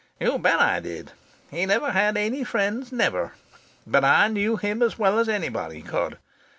"You bet I did. He never had any friends never but I knew him as well as anybody could.